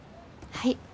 はい。